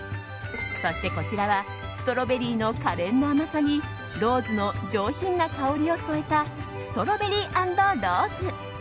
そしてこちらは、ストロベリーのかれんな甘さにローズの上品な香りを添えたストロベリー＆ローズ。